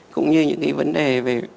cũng như những cái vấn đề về